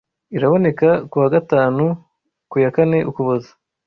Iraboneka Ku wa gatanu kuyakane Ukuboza